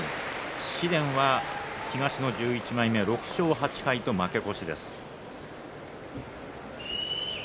紫雷東の１１枚目、６勝８敗と負け越しです。